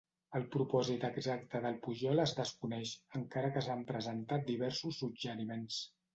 El propòsit exacte del pujol es desconeix, encara que s'han presentat diversos suggeriments.